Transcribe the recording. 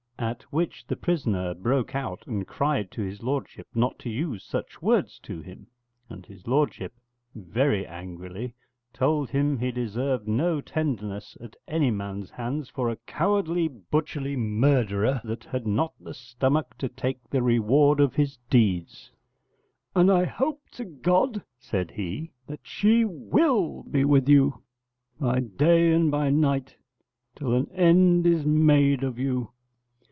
At which the prisoner broke out and cried to his lordship not to use such words to him, and his lordship very angrily told him he deserved no tenderness at any man's hands for a cowardly butcherly murderer that had not the stomach to take the reward of his deeds: 'and I hope to God,' said he, 'that she will be with you by day and by night till an end is made of you.'